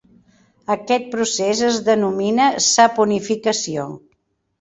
Aquest procés es denomina saponificació.